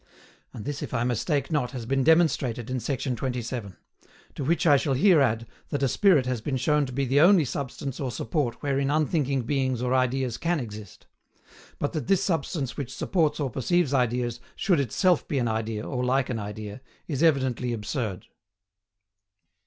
And this if I mistake not has been demonstrated in section 27; to which I shall here add that a spirit has been shown to be the only substance or support wherein unthinking beings or ideas can exist; but that this substance which supports or perceives ideas should itself be an idea or like an idea is evidently absurd.